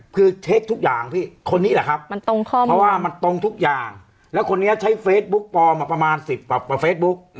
คือเช็คทุกอย่างพี่คนนี้แหละครับมันตรงข้อมูลเพราะว่ามันตรงทุกอย่างแล้วคนนี้ใช้เฟซบุ๊กปลอมมาประมาณสิบกว่าเฟซบุ๊ก